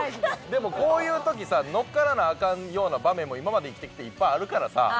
でもこういう時さ乗っからなアカンような場面も今まで生きてきていっぱいあるからさ。